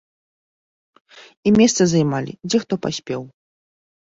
І месцы займалі, дзе хто паспеў.